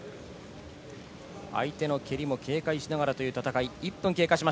相手の蹴りも警戒しながらという戦い。